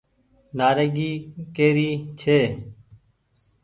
نآريگي ڪي ري ڇي۔